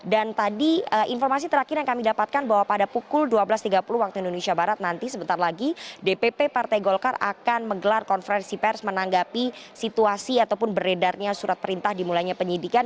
dan tadi informasi terakhir yang kami dapatkan bahwa pada pukul dua belas tiga puluh waktu indonesia barat nanti sebentar lagi dpp partai golkar akan menggelar konferensi pers menanggapi situasi ataupun beredarnya surat perintah dimulainya penyidikan